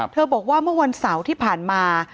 บอกว่าเมื่อวันเสาร์ที่ผ่านมา